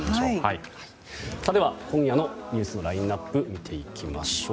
今夜のニュースのラインアップ見ていきましょう。